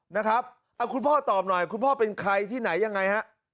นะครับเอาคุณพ่อตอบหน่อยคุณพ่อเป็นใครที่ไหนยังไงฮะ